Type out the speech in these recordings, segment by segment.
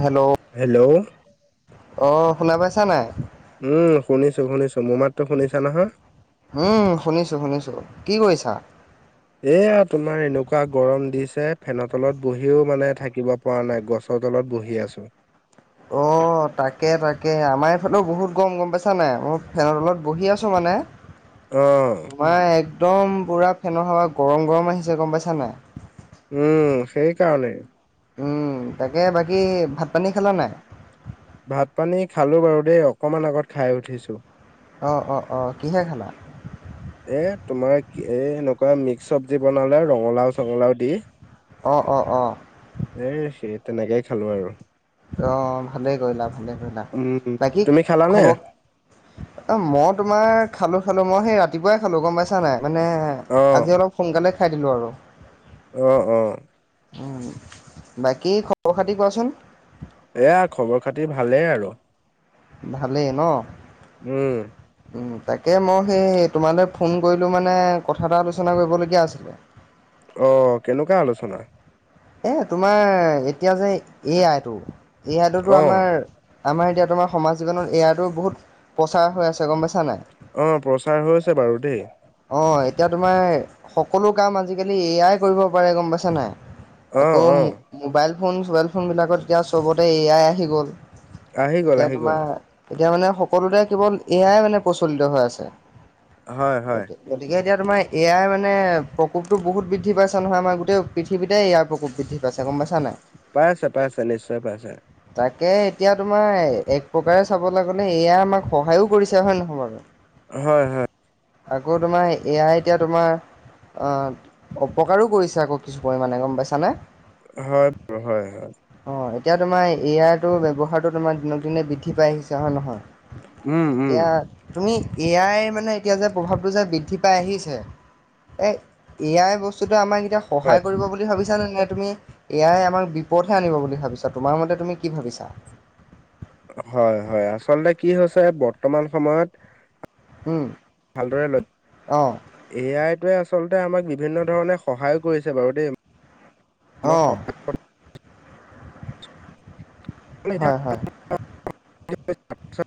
Hello? Hello? অঁ', শুনা পাইছা নাই? উম, শুনিছো শুনিছো মোৰ মাততো শুনিছা নহয়। উম, শুনিছো শুনিছো কি কৰিছা? এয়া তোমাৰ এনেকুৱা গৰম দিছে ফেনৰ তলত বহিও মানে থাকিব, পৰা নাই গছৰ তলত বহি আছো। অঁ', তাকে তাকে আমাৰ এইফালেও বহুত গৰম গম পাইছা নাই মই ফেনৰ তলত বহি আছোঁ মানে। অ' তোমাৰ একদম পোৰা ফেনৰ হাৱা গৰম গৰম আহিছে গম পাইছা নাই। উম, সেই কাৰণেই। উম, তাকে বাকী ভাত পানী খালা নাই? ভাত পানী খালো বাৰু দেই অকমান আগত খাই উঠিছো। অঁ', অঁ', অঁ', কিহে খালা? এ তোমাৰ এ এনেকুৱা মিক্স চবজি বনালে ৰঙালাও চঙালাও দি। অঁ', অঁ', অঁ' এ সেই তেনেকেই খালো আৰু। অ', ভালে কৰিলা ভালে কৰিলা উম বাকী তুমি খালানে খব, অ', মই তোমাৰ খালো খালো মই সেই ৰাতিপুৱাই খালো গম পাইছা নাই মানে, অ আজি অলপ সোনকালে খাই দিলো আৰু। অঁ', অঁ' বাকী খবৰ খাতি কোৱাচোন? এয়া খবৰ খাতি ভালেই আৰু। ভালেই ন? উম তাকে মই সেই তোমালৈ ফোন কৰিলোঁ মানে কথা এটা আলোচনা কৰিবলগীয়া আছিলে। অ কেনেকুৱা আলোচনা? এ তোমাৰ এতিয়া যে এ আইটো এ আইটোতো অ আমাৰ, আমাৰ এতিয়া তোমাৰ সমাজ জীৱনত এ আইতোৰ বহুত প্ৰচাৰ হৈ আছে গম পাইছা নাই? অ প্ৰচাৰ হৈছে বাৰু দেই, অঁ এতিয়া তোমাৰ সকলো কাম আজিকালি এ আই কৰিব পাৰে গম পাইছা নাই? অ আকৌ অ মোবাইল ফোন চবাইল ফোনবিলাকত এতিয়া চবতে এ আই আহি গ'ল। আহি গ'ল এতিয়া আহি গ'ল তোমাৰ এতিয়া মানে সকলোতে কেৱল এ আই মানে প্ৰচলিত হৈ আছে। হয় হয়। গতিকে এতিয়া তোমাৰ এ আই মানে প্ৰকোপটো বহুত বৃদ্ধি পাইছে নহয় আমাৰ গোটেই পৃথিৱীতে ইয়াৰ, প্ৰকোপ বৃদ্ধি পাইছে গম পাইছা নাই? পাইছে পাইছে নিশ্চয় পাইছে। তাকে এতিয়া তোমাৰ এক প্ৰকাৰে চাবলৈ গলে, এ আই আমাক সহায়ো কৰিছে হয়নে নহয় বাৰু। [inaudible] হয় হয়। আকৌ তোমাৰ এ আই এতিয়া তোমাৰ। অ, অপকাৰো কৰিছে আকৌ কিছু পৰিমাণে গম পাইছানে। হয় হয় হয়। অ এতিয়া তোমাৰ এ আইৰটো ব্যৱহাৰটো তোমাৰ, দিনক দিনে বৃদ্ধি পাই আহিছে হয় নহয়। উম উম এতিয়া তুমি এ আই মানে এতিয়া যে প্ৰভাৱটো যে বৃদ্ধি পাই আহিছে। এ এ আই বস্তুটোৱে আমাক এতিয়া হয় সহায় কৰিব বুলি ভাবিছ। -ছানে নে তুমি এ আই আমাক বিপদহে আনিব বুলি ভাবিছা, তোমাৰ মতে তুমি কি ভাবিছা? হয় হয়, আচলতে কি হৈছে বৰ্তমান সময়ত। ভালদৰে লক্ষ্য, অঁ এ আইটোৱে আচলতে আমাক বিভিন্ন ধৰণে সহায়ো কৰিছে বাৰু দেই। মই অঁ, সহায় হয় হয় [inaudible] [unintelligible]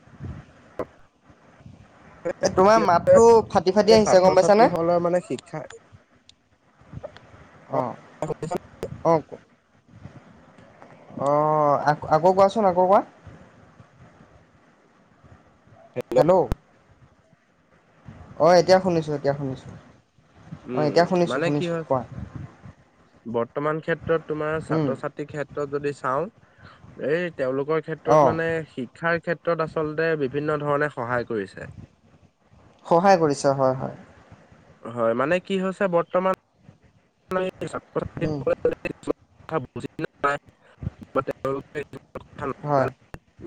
[inaudible] এই [unintelligible] তোমাৰ মাতটো ফাটি ফাটি এ আহিছে গম ছাত্ৰ পাইছানে ছাত্ৰীসকলৰ মানে শিক্ষা। অ, লওক, অঁ আ আকৌ কোৱাচোন আকৌ কোৱা হেল্ল, অ এতিয়া শুনিছো এতিয়া শুনিছো। উম উম মানে কি হৈছে, বৰ্তমান ক্ষেত্ৰত তোমাৰ ছাত্ৰ ছাত্ৰী। -ত্ৰত যদি চাওঁ এই তেওঁলোকৰ ক্ষেত্ৰত অঁ মানে শি- -ক্ষাৰ ক্ষেত্ৰত আচলতে বিভিন্ন ধৰণে সহায় কৰিছে। সহায় কৰিছে হয় হয়। হয়, মানে কি হৈছে বৰ্তমান। উম, [unintelligible] বুজি নেপায় [unintelligible] হয় [unintelligible]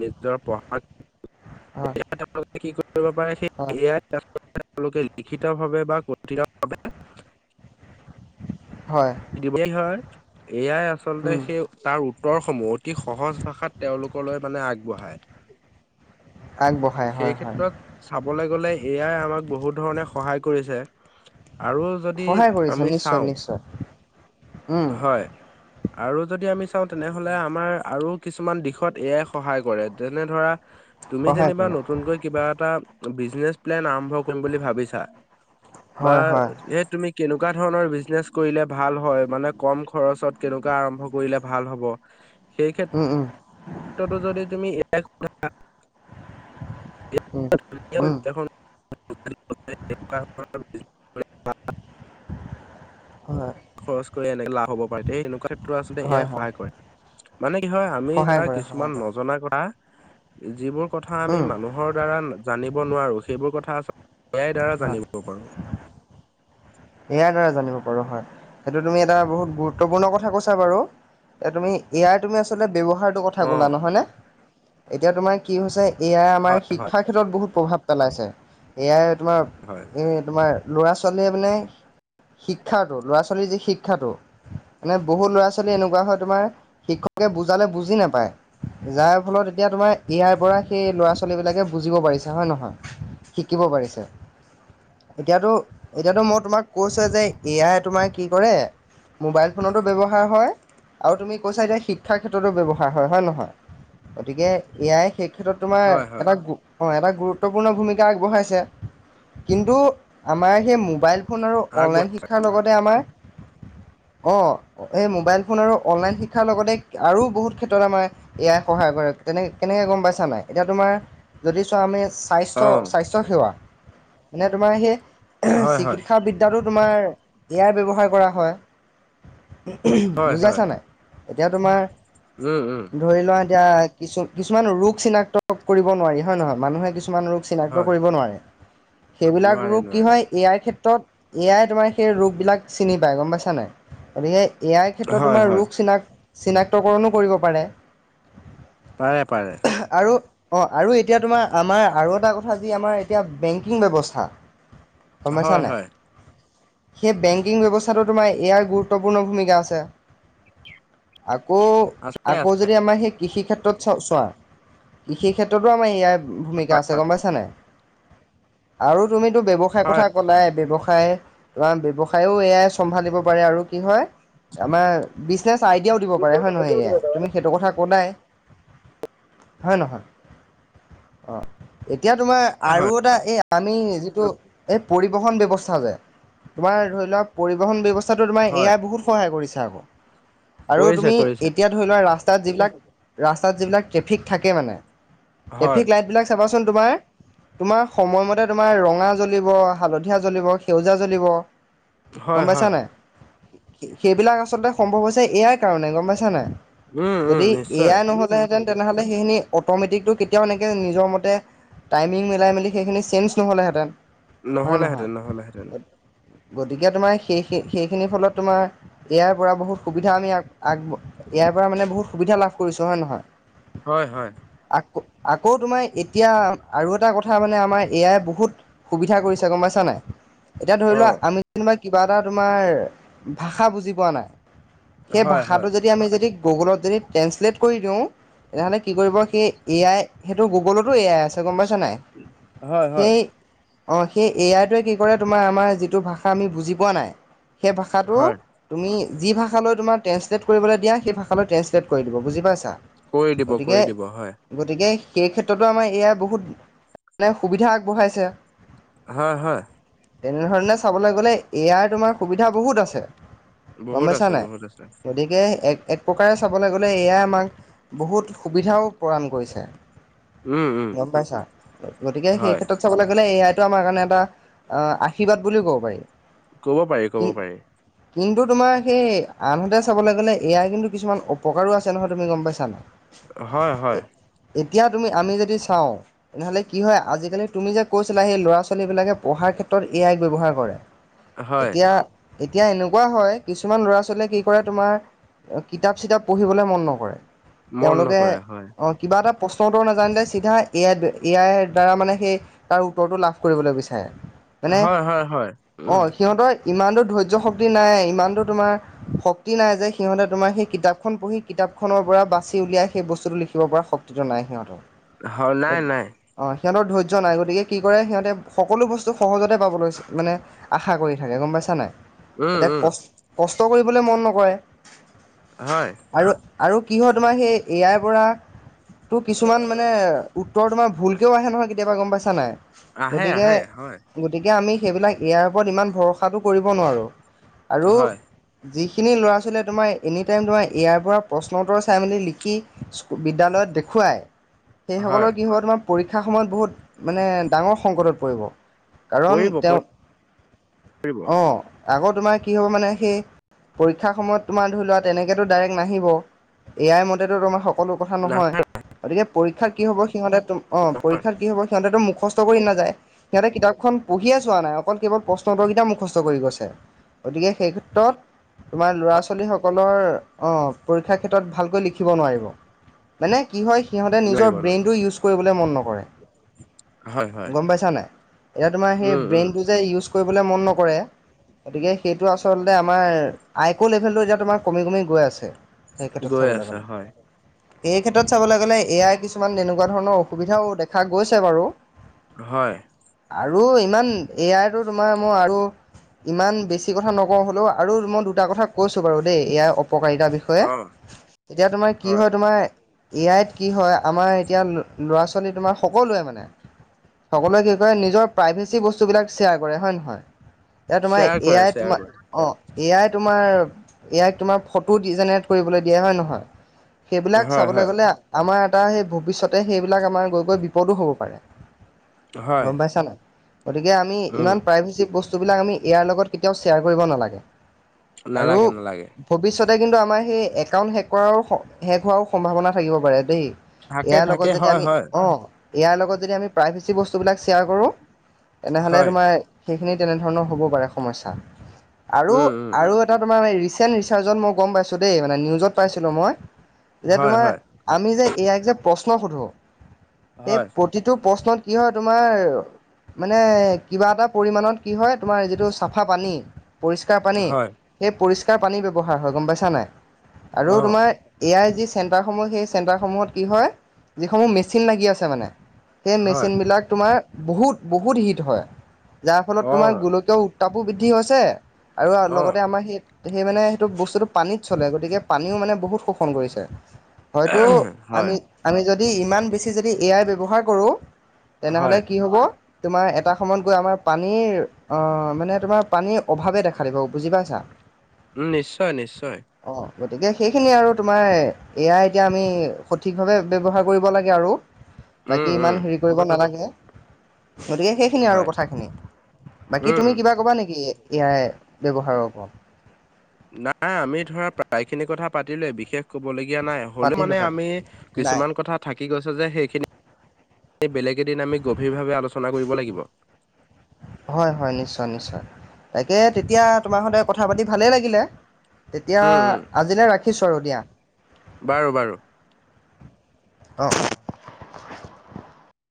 নিজৰ পঢ়া [unintelligible] হয় তেওঁলোকে [unintelligible] কি কৰিব পাৰে সেই হয় এ আই তেওঁলোকে লিখিত ভাৱে বা কঠিত, হয়। [unintelligible] হয় এ আই আচলতে উম, সেই, তাৰ উত্তৰসমূহ অতি সহজ ভাষাত তেওঁলোকলৈ মানে আগবঢ়ায়। আগবঢ়াই হয় সেই হয় ক্ষেত্ৰত, চাবলৈ গলে এ আই আমাক বহুত ধৰণে সহায় কৰিছে, আৰু যদি সহায় যদি কৰিছে আমি নিশ্চয় চাওঁ, নিশ্চয় উম, হয়। আৰু যদি আমি চাওঁ তেনেহলে আমাৰ আৰু কিছুমান দিশত এয়াই সহায় কৰে। যেনে ধৰা, [inaudible] তুমি সহায় যেনিবা কৰে নতুনকৈ কিবা এটা বিছিনেছ প্লেন আৰম্ভ কৰিম বুলি ভাবিছা, বা হয় হয় এ তুমি কেনেকুৱা ধৰণৰ বিজনেচ কৰিলে। ভাল হয় মানে কম খৰচত কেনেকুৱা আৰম্ভ কৰিলে ভাল হ'ব সেই ক্ষেত্ৰত, উম উম [unintelligible] যদি তুমি এ আই ত উম উম [inaudible] [unintelligible] হয়। [inaudible] খৰচ কৰি এনেকে লাভ হব পাৰে দে, সেনেকুৱা ক্ষেত্ৰত আচলতে এ হয় আই হয় সহায় কৰে। মানে কি হয় আমি সহায় ধৰা কৰে কিছুমান সহায় কৰে নজনা কথা যিবোৰ কথা আমি উম মানুহৰ দ্বাৰা জানিব নোৱাৰো সেইবোৰ কথা [unintelligible] এ আইৰ দ্বাৰা হয় জানিব [unintelligible] এই আইৰ দ্বাৰা জানিব পাৰোঁ হয়, সেইটো তুমি এটা বহুত গুৰুত্বপূৰ্ণ কথা কৈছা বাৰু। এ, তুমি এ আইৰ তুমি আচলতে ব্যৱহাৰটো কথা অ ক'লা নহয়নে? এতিয়া তোমাৰ কি হৈছে এ আই আমাৰ হয় হয় শিক্ষাৰ ক্ষেত্ৰত বহুত প্ৰভাৱ পেলাইছে। এ আই তোমাৰ হয় এ, তোমাৰ ল'ৰা ছোৱালীয়ে মানে শিক্ষাটো, ল'ৰা ছোৱালীৰ যি শিক্ষাটো মানে বহুত ল'ৰা ছোৱালী এনেকুৱা হয় তোমাৰ শিক্ষকে বুজালে বুজি নাপায়। যাৰ ফলত এতিয়া তোমাৰ এ আইৰ পৰা সেই ল'ৰা ছোৱালীবিলাকে বুজিব পাৰিছে হয় নহয়? শিকিব পাৰিছে। এতিয়াতো এতিয়াতো মই তোমাক কৈছে যে এ আই তোমাৰ কি কৰে মোবাইল ফোনতো ব্যৱহাৰ হয় আৰু তুমি কৈছা এতিয়া শিক্ষাৰ ক্ষেত্ৰতো ব্যৱহাৰ হয়, হয় নহয়? গতিকে এ আই সেই ক্ষেত্ৰত তোমাৰ হয় হয় এটা গো অ' এটা গুৰুত্বপূৰ্ণ ভূমিকা আগবঢ়াইছে। কিন্তু আমাৰ সেই মোবাইল ফোন আৰু অনলাইন আগবঢ়া শিক্ষাৰ আগবঢ়া লগতে আমাৰ [inaudible] অ' এই মোবাইল ফোন আৰু অনলাইন শিক্ষাৰ লগতে আৰু বহুত ক্ষেত্ৰত আমাৰ এ আই সহায় কৰে, তেনে কেনেকে গম পাইছা নাই, এতিয়া তোমাৰ যদি চোৱা আমি স্বাস্থ্য, অ স্বাস্থ্যসেৱা মানে তোমাৰ সেই হয় হয় চিকিৎসা বৃ তাতো তোমাৰ এ আইৰ ব্যৱহাৰ কৰা হয়, হয় হয় বুজাইছা নাই। এতিয়া তোমাৰ উম, উম। ধৰি লোৱা এতিয়া কিছু কিছুমান ৰোগ চিনাক্ত কৰিব নোৱাৰি হয় নহয়? মানুহে কিছুমান ৰোগ চিনাক্ত হয় কৰিব নোৱাৰে সেইবিলাক নোৱাৰে ৰূপ কি নোৱাৰে হয় এ আইৰ ক্ষেত্ৰত এ আই তোমাৰ সেই ৰোগবিলাক চিনি পাই গম পাইছা নাই। গতিকে এই ক্ষেত্ৰত হয় তোমাৰ হয় ৰোগ চিনাক চিনাক্তকৰনো কৰিব পাৰে। পাৰে পাৰে। আৰু অ' আৰু এতিয়া তোমাৰ আমাৰ আৰু এটা কথা যি আমাৰ এতিয়া বেংকিং ব্যৱস্থা গম পাইছা হয় নাই হয়। সেই বেংকিং ব্যৱস্থাটো তোমাৰ এ আইৰ গুৰুত্বপূৰ্ণ ভূমিকা আছে। আকৌ আছে আকৌ আছে যদি আমাৰ সেই কৃষি ক্ষেত্ৰত চা-চোৱা কৃষি ক্ষেত্ৰতো আমাৰ এ আই ভূমিকা হয় আছে গম পাইছা নাই, আৰু তুমিতো ব্যৱসায় হয় কথা কলাই, ব্যৱসা [unintelligible] তোমাৰ ব্যাবসায়ো এ আই চম্ভালিব পাৰে আৰু কি হয় আমাৰ বিজনেছ আইডিয়াও দিব পাৰে হয় নহয় এ আই? তুমি সেইটো কথা ক'লাই হয় নহয়? অ' এতিয়া তোমাৰ হয় হয় আৰু এটা এই আমি যিটো এই পৰিবহন ব্যৱস্থা [unintelligible] তোমাৰ ধৰি লোৱা পৰিবহন ব্যৱস্থাটো তোমাৰ এ হয়, আই বহুত সহায় কৰিছে আকৌ। আৰু কৰিছে তুমি কৰিছে এতিয়া ধৰি লোৱা ৰাস্তাত যিবিলাক, ৰাস্তাত যিবিলাক ট্ৰেফিক থাকে মানে হয় ট্ৰেফিক লাইটবিলাক চাবাচোন তোমাৰ, তোমাৰ সময়মতে তোমাৰ ৰঙা জ্বলিব, হালধীয়া জ্বলিব সেউজীয়াও জ্বলিব হয় গম পাইছা হয় নাই? সেইবিলাক আচলতে সম্ভৱ হৈছে এ আই কাৰণে গম পাইছা নাই। উম উম যদি এ নিশ্চয় আই নহ'লে। তে তে তেনেহ'লে সেইখিনি অট'মেটিকটো কেতিয়াও এনেকে নিজৰ মতে। টাইমিঙ মিলাই মেলি সেইখিনি চেঞ্চ কৰিব নহ'লে হেঁতেন। নহলেহেঁতেন, নহলেহেঁতেন। গতিকে তোমাৰ সেইখিন সেইখিনিৰ ফলত তোমাৰ। ইয়াৰ পৰা বহুত সুবিধা আমি আগ আগ ইয়াৰ পৰা মানে বহুত সুবিধা লাভ কৰিছোঁ হয়, নহয়। হয়', হয়'। আকৌ তোমাৰ এতিয়া আৰু এটা কথা মানে আমাৰ ইয়াৰ বহুত। সুবিধা কৰিছো গম পাইছা নাই? এতিয়া ধৰি অ লোৱা আমি যেনিবা কিবা এটা তোমাৰ ভাষা বুজি পোৱা নাই। সেই হয় হয় ভাষাটো যদি আমি যদি গুগলত যদি ট্ৰেঞ্চলেট কৰি দিওঁ। তেনেহ'লে কি কৰিব, সেই এ আই সেইটো গুগলতো আছে। গম পাইছা নাই হয় সেই, হয় অ'সেই এয়াৰ টোৱে কিন্তু। পৰা তোমাৰ আমাৰ যিটো ভাষা আমি বুজি পোৱা নাই। সেই ভাষাটো। হয় তুমি যি ভাষালৈ তোমাৰ ট্ৰেঞ্চলেট কৰিবলৈ দিয়া সেই ভাষালৈ ট্ৰেন্ঞ্চলেট দিব বুজি পাইছা। কৰি দিব, গতিকে কৰি দিব হয়। গতিকে সেই ক্ষেত্ৰতো আমাৰ এ আই বহুত মানে সুবিধা আগবঢ়াইছে। হয়', হয়'। তেনেধৰণে চাবলৈ গ'লে, এ আই তোমাৰ সুবিধা বহুত আছে। গম বহুত পাইছা আছে নাই, বহুত আছে গতিকে এক। এক প্ৰকাৰে চাবলৈ গ'লে এ আইয়ে আমাক বহুত সুবিধাও প্ৰদান কৰিছে। উম উম গম পাইছা, গতিকে সেই হয় ক্ষেত্ৰত চাবলৈ গ'লে এ আইটো আমাৰ কাৰণে এটা। অ', আশীৰ্বাদ বুলিও ক'ব পাৰি। ক'ব পাৰি, কি ক'ব পাৰি। কিন্তু তোমাৰ সেই আনহাতে চাবলৈ গ'লে এ আই কিন্তু কিছুমান অপকাৰো আছে নহয়। তুমি গম পাইছা নাই? হয় হয়। এতিয়া তুমি আমি যদি চাওঁ, তেনেহ'লে কি হয় আজিকালি তুমি যে কৈছিলা সেই ল'ৰা -ছোৱালীবিলাকে। পঢ়াৰ ক্ষেত্ৰত এ আই ব্যৱহাৰ কৰে। হয় এতিয়া। এতিয়া এনেকুৱা হয়, কিছুমান ল'ৰা -ছোৱালীয়ে কি কৰে তোমাৰ। কিতাপ চিতাপ পঢ়িবলে মন নকৰে মন তেওঁলোকে নকৰে হয় অ। কিবা এটা প্ৰশ্ন উত্তৰ নাজানিলে চিধা এ আই এ আইৰ দ্বাৰা মানে, সেই তাৰ উত্তৰটো লাভ কৰিবলৈ বিছাৰে। হয় মানে হয় হয় হয় অ উম সিহঁতৰ। ইমানটো ধৈৰ্য শক্তি নাই ইমানটো তোমাৰ। শক্তি নাই। যে সিহঁতে তোমাৰ সেই কিতাপখন পঢ়ি কিতাপখনৰ পৰা বাচি উলিয়াই। সেই বস্তুটো লিখিব পৰা শক্তি। ধৈৰ্য্য নাই সিহঁতৰ। হয়' নাই নাই। অঁ' সিহঁতৰ ধৈৰ্য নাই গতিকে কি কৰে সিহঁতে। সকলো বস্তু সহজতে পাবলৈ মানে আশা কৰি থাকে গম পাইছা নাই। উম এতিয়া উম কষ্ট। কষ্ট কৰিবলৈ মন নকৰে। হয়। আৰু, আৰু কি হয় তোমাৰ সেই এ আইৰ পৰা। তো কিছুমান মানে উত্তৰ তোমাৰ ভুলকেও আহে নহয় কেতিয়াবা গম পাইছা নাই। আহে গতিকে আহে হয় গতিকে আমি সেইবিলাক এ আই ওপৰত ইমান ভৰসাটো কৰিব নোৱাৰোঁ। আৰু। হয় যিখিনি ল'ৰা -ছোৱালীয়ে তোমাৰ এনি টাইম তোমাৰ এ আইৰ পৰা প্ৰশ্ন উত্তৰ চাই মেলি লিখি। বিদ্যালয়ত দেখুৱায়। সেইসকলৰ হয় কি হব' তোমাৰ পৰীক্ষাৰ সময়ত বহুত মানে ডাঙৰ সংকটত পৰিব। কাৰণ পৰিব তেওঁ পৰিব অঁহ আকৌ তোমাৰ কি হ'ব মানে সেই- পৰীক্ষাৰ সময়ত তোমাৰ ধৰি লোৱা তেনেকেতো ডাইৰেক্ট নাহিব। এ আই মতেতো তোমাৰ- সকলো কথা না নহয়, গতিকে পৰীক্ষাত কি হ'ব সিহঁতে তো অঁ পৰীক্ষাত কি হ'ব সিহঁতেতো মুখচ- ত কৰি নাযায়, সিহঁতে কিতাপখন পঢ়িয়ে চোৱা নাই অকল কেৱল প্ৰশ্ন উত্তৰ গেইটা মুখস্থ কৰি গৈছে। ত'- গতিকে সেই ক্ষেত্ৰত- তোমাৰ ল'ৰা ছোৱালীসকলৰ অঁ পৰীক্ষাৰ ক্ষেত্ৰত ভালকৈ লিখিব নোৱাৰিব। মানে কি হয় সিহঁতে নিজৰ নোৱাৰিব নোৱাৰিব ব্ৰেইনটো ইউজ কৰিবলে মন নকৰে। হয় হয়। গম পাইছা নাই? এতিয়া তোমাৰ সেই উম উম ব্ৰেইনটো যে ইউজ কৰিবলে মন নকৰে- গতিকে, সেইটো আচলতে আমাৰ আইক' লেভেলটো এতিয়া তোমাৰ কমি কমি গৈ আছে। সেই ক্ষেত্ৰত গৈ চাবলে আছে গলে। হয় এই ক্ষেত্ৰত চাবলৈ গ'লে এয়াই কিছুমান তেনেকুৱা ধৰণৰ অসুবিধাও দেখা গৈছে বাৰু। হয়। আৰু ইমান এয়াৰটো তোমাৰ মই আৰু- ইমান বেছি কথা নকওঁ হ'লও আৰু মই দুটা কথা কৈছো বাৰু দেই, এয়াৰ অপকাৰিতা বিষয়- অ ষয়ে। এতিয়া তোমাৰ কি হয় তোমাৰ- এ আইত কি হয় আমাৰ এতিয়া ল'ৰা ছোৱালী তোমাৰ সকলোৱে মানে- সকলোৱে কি কৰে নিজৰ প্ৰাইভেচি বস্তু বিলাক শ্বেয়াৰ কৰে হয় নহয়? এতিয়া তোমাৰ শ্বেয়াৰ কৰে এয়াই শ্বেয়াৰ তোমাৰ কৰে অঁ'- এয়াই তোমাৰ এয়াক তোমাৰ ফটো ডিজেনেৰেট কৰিবলৈ দিয়ে হয় নহয়? সেইবিলাক হয় চাবলৈ হয় গলে আমাৰ এটা সেই ভৱিষ্যতে সেইবিলাক আমাৰ গৈ গৈ বিপদো হ'ব পাৰে। হয় গম পাইছা নাই? গতিকে, আমি উম ইমান প্ৰাইভেচি বচ- স্তুবিলাক আমি এ আই লগত কেতিয়াও শ্ৰেয়াৰ কৰিব নালাগে। নালাগে নালাগে ভৱিষ্যতে কিন্তু আমাৰ সেই একাউণ্ট শেক কৰাৰো শেক হোৱাৰো সম্ভাৱনা থাকিব পাৰে দেই। থাকে ইয়াৰ লগত থাকে যেতিয়া হয় আমি হয় অঁ- ইয়াৰ লগত যদি আমি প্ৰাইভেচি বস্তুবিলাক শ্বেয়াৰ কৰোঁ তেনেহ'লে হয় তোমাৰ- সেইখিনি তেনেধৰণৰ হ'ব পাৰে সমস্যা, আৰু উম উম আৰু- এটা তোমাৰ ৰিচেণ্ ৰিচাৰজত মই গম পাইছো দেই মানে নিউজত পাইছিলো মই যে হয়, তোমাৰ- হয়, আমি যে এ আইক যে প্ৰশ্ন সোধোঁ এই হয়, প্ৰতিটো- প্ৰশ্নত কি হয় তোমাৰ- মানে কিবা এটা পৰিমাণত কি হয় তোমাৰ যিটো চাফা পানী- পৰিষ্কাৰ পানী হয়, সেই পৰিষ্কাৰ পানী ব্যৱহাৰ হয় গম পাইছা নাই? আৰু অ', তোমাৰ- এ আই যি চেণ্টাৰসমূহ সেই চেণ্টাৰসমূহত কি হয়, যিসমূহ মেচিন লাগি আছে মানে- সেই হয়, মেচিনবিলাক তোমাৰ বহুত বহুত হিট হয়। যাৰ ফলত তোমাৰ অ', গোলকীয়- কাপো বৃদ্ধি হৈছে আৰু অ', লগতে আমাৰ সেই- সেই মানে সেইটো বস্তুটো পানীত চলে গতিকে, পানীও মানে বহুত শোষণ কৰিছে। হয়তো হয়, আমি আমি যদি ইমান বেছি যদি এ আই ব্যৱহাৰ কৰোঁ- তেনেহলে হয়, কি হব? তোমাৰ এটা সময়ত গৈ আমাৰ পানীৰ অঁ মানে তোমাৰ পানীৰ অভাৱে দেখা দিব বুজি পাইছা। উম' নিশ্চয় নিশ্চয়। অঁ গতিকে সেইখিনি আৰু তোমাৰ এয়া এতিয়া আমি সঠিকভাৱে ব্যৱহাৰ কৰিব লাগে আৰু। উম, বাকী উম, ইমান হেৰি কৰিব নালাগে। গতিকে সেইখিনি আৰু হয়, কথাখিনি বাকী উম, তুমি উম। কিবা ক'বা নেকি? ইয়াৰে ব্যৱহাৰৰ ওৰত নাই আমি ধৰা প্ৰায়খিনি কথা পাতিলোয়ে বিশেষ কব লগীয়া নাই হ'লেও পাতিলো মানে পাতি আমি নাই কিছুমান কথাত থাকি গৈছে যে সেইখিনি বেলেগ এদিন আমি গভীৰভাৱে আলোচনা কৰিব লাগিব। [inaudible] হয়, হয়, নিশ্চয় নিশ্চয় তাকে তেতিয়া তোমাৰ সতে কথা পাতি ভালেই লাগিলে তেতিয়া উম, উম, আজিলৈ ৰাখিছোঁ আৰু দিয়া। বাৰু - বাৰু অ',